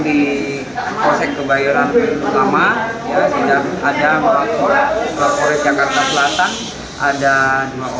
di konsep kebayoran utama ada